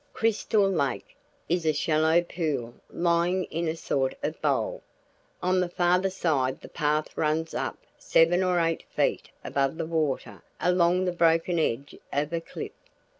"Crystal Lake" is a shallow pool lying in a sort of bowl. On the farther side the path runs up seven or eight feet above the water along the broken edge of a cliff.